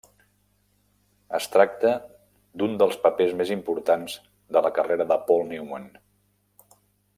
Es tracta d'un dels papers més importants de la carrera de Paul Newman.